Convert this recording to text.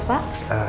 ya udah pa